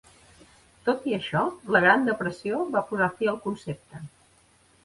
Tot i això, la Gran Depressió va posar fi al concepte.